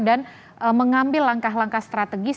dan mengambil langkah langkah strategis